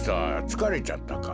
つかれちゃったか？